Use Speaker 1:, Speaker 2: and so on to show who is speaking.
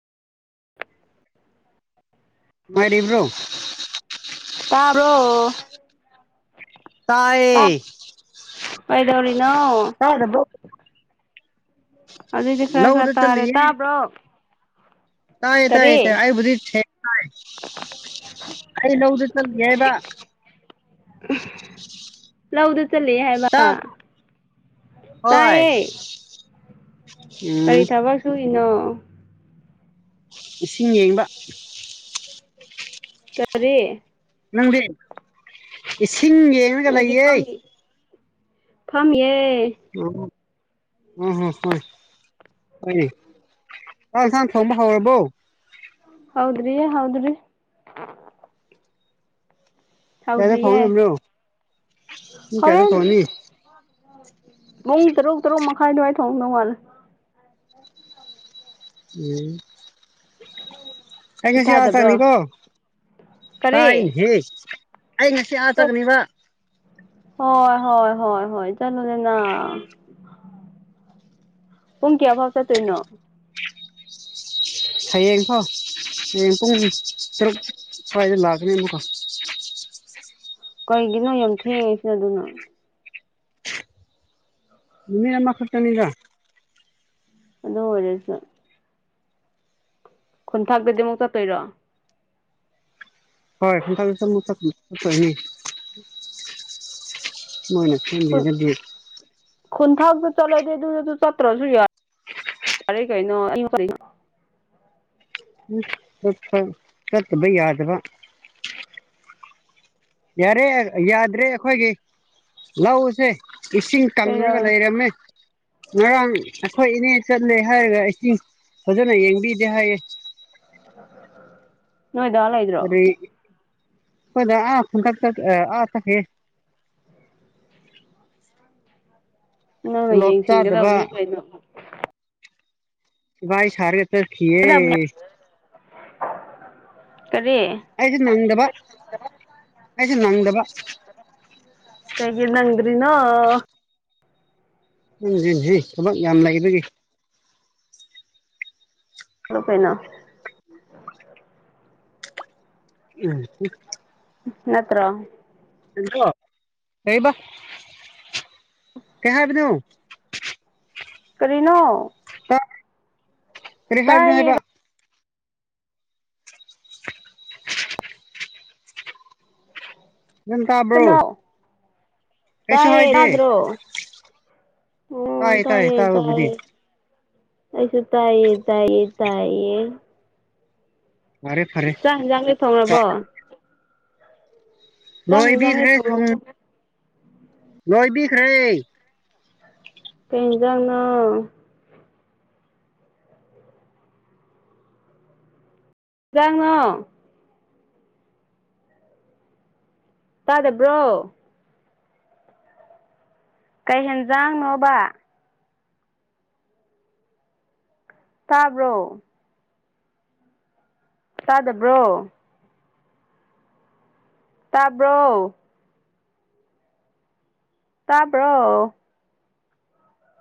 Speaker 1: ꯅꯨꯉꯥꯏꯔꯤꯕ꯭ꯔꯣ
Speaker 2: ꯇꯥꯕ꯭ꯔꯣ
Speaker 1: ꯇꯥꯏꯌꯦ
Speaker 2: ꯀꯩꯗꯧꯔꯤꯅꯣ
Speaker 1: ꯇꯥꯗꯕ꯭ꯔꯣ
Speaker 2: ꯍꯧꯖꯤꯛꯇꯤ ꯈꯔ ꯈꯔ
Speaker 1: ꯂꯧꯗ
Speaker 2: ꯇꯥꯔꯦ
Speaker 1: ꯆꯠꯂꯤꯌꯦ
Speaker 2: ꯇꯥꯕ꯭ꯔꯣ
Speaker 1: ꯇꯥꯏꯌꯦ ꯇꯥꯏꯌꯦ
Speaker 2: ꯀꯔꯤ
Speaker 1: ꯇꯥꯏ ꯑꯩꯕꯨꯗꯤ ꯁꯦꯡꯅ ꯇꯥꯏ ꯑꯩ ꯂꯧꯗ ꯆꯠꯂꯨꯒꯦ ꯍꯥꯏꯕ
Speaker 2: ꯂꯧꯗ ꯆꯠꯂꯤ ꯍꯥꯏꯕꯥ
Speaker 1: ꯇꯥꯕ ꯍꯣꯏ
Speaker 2: ꯇꯥꯏꯌꯦ ꯀꯔꯤ
Speaker 1: ꯎꯝ
Speaker 2: ꯊꯕꯛ ꯁꯨꯔꯤꯅꯣ
Speaker 1: ꯏꯁꯤꯡ ꯌꯦꯡꯕ
Speaker 2: [inaudible] ꯀꯔꯤ
Speaker 1: ꯅꯪꯗꯤ ꯏꯁꯤꯡ ꯌꯦꯡ
Speaker 2: ꯑꯩꯗꯤ ꯐꯝꯃꯤ ꯐꯝꯃꯤꯌꯦ
Speaker 1: ꯑꯣ ꯑꯣ ꯎꯝ ꯎꯝ ꯍꯝ ꯍꯣꯏ ꯍꯣꯏ ꯆꯥꯛ ꯏꯟꯁꯥꯡ ꯊꯣꯡꯕ ꯍꯧꯔꯕꯣ
Speaker 2: ꯍꯥꯎꯗ꯭ꯔꯤꯌꯦ ꯍꯥꯎꯗ꯭ꯔꯤ
Speaker 1: ꯀꯌꯥꯗ
Speaker 2: ꯇꯧꯗ꯭ꯔꯤꯌꯦ
Speaker 1: ꯊꯣꯡꯗꯣꯏꯕꯅꯣ ꯄꯨꯡ ꯀꯌꯥꯗ
Speaker 2: ꯍꯣꯔꯦꯟ
Speaker 1: ꯊꯣꯡꯅꯤ
Speaker 2: ꯄꯨꯡ ꯇꯔꯨꯛ ꯇꯔꯨꯛ ꯃꯈꯥꯏ ꯑꯗꯨꯋꯥꯥꯏ ꯊꯣꯡꯗꯧ ꯃꯥꯜꯂꯦ
Speaker 1: ꯎꯝ
Speaker 2: ꯍꯜꯂꯣ
Speaker 1: ꯑꯩ ꯉꯁꯤ ꯑꯥ ꯆꯠꯅꯤꯀꯣ
Speaker 2: ꯀꯔꯤ
Speaker 1: ꯇꯥꯏꯅꯦꯍꯦ ꯑꯩ ꯉꯁꯤ ꯑꯥ ꯆꯠꯀꯅꯦꯕ
Speaker 2: ꯍꯣꯏ ꯍꯣꯏ ꯍꯣꯏ ꯍꯣꯏ ꯆꯠꯂꯨꯗꯅ ꯄꯨꯡ ꯀꯌꯥꯐꯥꯎ ꯆꯠꯇꯣꯏꯅꯣ
Speaker 1: ꯍꯌꯦꯡꯐꯥꯎ ꯍꯌꯦꯡ ꯄꯨꯡ ꯇꯔꯨꯛ ꯁ꯭ꯋꯥꯏꯗ ꯂꯥꯛꯀꯅꯦꯕꯀꯣ [unintelligible]
Speaker 2: ꯀꯩꯒꯤꯅꯣ ꯌꯥꯝ ꯊꯦꯡꯉꯦꯁꯤꯅ ꯑꯗꯨꯅ
Speaker 1: ꯅꯨꯃꯤꯠ ꯑꯃ ꯈꯛꯇꯅꯤꯗ
Speaker 2: ꯑꯗꯨ ꯑꯣꯏꯔꯁꯨ ꯈꯨꯟꯊꯛꯇꯗꯤ ꯑꯃꯨꯛ ꯆꯠꯇꯣꯏꯔꯣ
Speaker 1: ꯍꯣꯏ ꯈꯨꯟꯊꯛꯇ ꯑꯃꯨꯛ ꯆꯠꯇꯣꯏꯅꯤ ꯑꯈꯣꯏꯅꯤ ꯃꯣꯏꯅ ꯁꯦꯝꯕꯤꯔꯒꯗꯤ
Speaker 2: ꯈꯨꯟꯊꯡꯇ ꯆꯠꯂꯗꯤ ꯑꯗꯨꯗꯁꯨ ꯆꯠꯇ꯭ꯔꯁꯨ ꯌꯥꯏ ꯌꯥꯔꯦ ꯀꯩꯅꯣ [unintelligible]
Speaker 1: ꯎꯝ [unintelligible] ꯆꯠꯇꯕ ꯌꯥꯗꯕ ꯌꯥꯔꯦ ꯌꯔ ꯌꯥꯗ꯭ꯔꯦ ꯑꯩꯈꯣꯏꯒꯤ ꯂꯧꯁꯦ ꯏꯁꯤꯡ ꯀꯪꯉꯒ
Speaker 2: ꯀꯩꯗꯧꯔꯦ
Speaker 1: ꯂꯩꯔꯝꯃꯦ ꯉꯔꯥꯡ ꯑꯩꯈꯣꯏ ꯏꯅꯦ ꯆꯠꯂꯦ ꯍꯥꯏꯔꯒ ꯏꯁꯤꯡ ꯐꯖꯅ ꯌꯦꯡꯕꯤꯗꯦ ꯍꯥꯏꯌꯦ
Speaker 2: [unintelligible] ꯅꯣꯢꯗꯥ ꯂꯩꯏ
Speaker 1: ꯀꯔꯤ ꯀꯣꯏꯗ ꯑꯥ ꯈꯨꯟꯗꯛꯇ ꯑꯥ ꯆꯠꯈꯤ
Speaker 2: ꯅꯪꯅ
Speaker 1: ꯇꯣꯂꯣꯞ
Speaker 2: ꯌꯦꯡ
Speaker 1: ꯆꯥꯗꯕ
Speaker 2: ꯁꯦꯡꯒꯗꯕꯅꯤ ꯀꯩꯅꯣ
Speaker 1: ꯁꯤꯚꯥꯏ ꯁꯔꯒ ꯆꯠꯈꯤꯌꯦ
Speaker 2: ꯀꯔꯤ
Speaker 1: ꯑꯩꯁꯨ ꯅꯪꯗꯕ ꯑꯩꯁꯨ ꯅꯪꯗꯕ
Speaker 2: ꯀꯩꯒꯤ ꯅꯪꯗ꯭ꯔꯤ ꯅꯣ
Speaker 1: ꯎꯝꯖꯤ ꯖꯤ ꯊꯕꯛ ꯌꯥꯝ ꯂꯩꯕꯒꯤ
Speaker 2: [unintelligible]
Speaker 1: [unintelligible]
Speaker 2: ꯅꯠꯇ꯭ꯔꯣ
Speaker 1: ꯀꯔꯤꯅꯣ ꯀꯧꯕ ꯀꯩ ꯍꯥꯏꯕꯅꯣ
Speaker 2: ꯀꯔꯤꯅꯣ
Speaker 1: ꯆꯥ ꯀꯔꯤ ꯍꯥꯏꯕꯅꯣ
Speaker 2: ꯇꯥꯏꯌꯦ
Speaker 1: ꯍꯥꯏꯕ [unintelligible] ꯅꯪ ꯇꯕ꯭ꯔꯣ
Speaker 2: ꯀꯅꯣ ꯇꯥꯏꯌꯦ ꯌꯥꯗ꯭ꯔꯣ ꯑꯣ
Speaker 1: ꯇꯥꯏ ꯇꯥꯏ
Speaker 2: ꯇꯥꯏꯌꯦ
Speaker 1: ꯇꯥꯕꯕꯨꯗꯤ
Speaker 2: ꯇꯌꯦ ꯑꯩꯁꯨ ꯇꯥꯏꯌꯦ ꯇꯥꯏꯌꯦ ꯇꯥꯏꯌꯦ
Speaker 1: ꯐꯔꯦ ꯐꯔꯦ
Speaker 2: ꯆꯥꯛ ꯌꯦꯟꯁꯥꯡꯗꯤ ꯊꯣꯡꯂꯕꯣ ꯆꯥꯛ ꯌꯦꯟꯖꯥꯡꯗꯤ
Speaker 1: ꯂꯣꯏꯕꯤꯈ꯭ꯔꯦ ꯊꯣꯡ
Speaker 2: ꯊꯣꯡꯔꯕꯣ
Speaker 1: ꯂꯣꯏꯕꯤꯈ꯭ꯔꯦ
Speaker 2: ꯀꯩ ꯏꯟꯖꯥꯡꯅꯣ ꯖꯥꯡꯅꯣ ꯇꯥꯗꯕ꯭ꯔꯣ ꯀꯩ ꯍꯦꯟꯖꯥꯡꯅꯣꯕ ꯇꯥꯕ꯭ꯔꯣ ꯇꯗꯥꯕ꯭ꯔꯣ ꯇꯥꯕ꯭ꯔꯣ ꯇꯥꯕ꯭ꯔꯣ